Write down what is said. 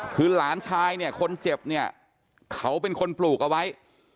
คือหลานชายคนเจ็บเขาเป็นคนปลูกเอาไว้